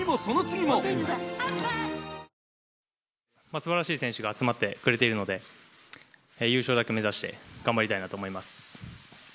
すばらしい選手が集まってくれているので、優勝だけ目指して頑張りたいなと思います。